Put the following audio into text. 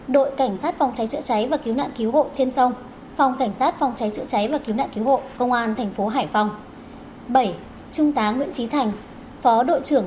sáu đội cảnh sát phòng cháy chữa cháy và cứu nạn cứu hộ trên sông phòng cảnh sát phòng cháy chữa cháy và cứu nạn cứu hộ công an tp hải phòng